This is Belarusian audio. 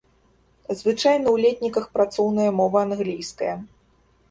Звычайна ў летніках працоўная мова англійская.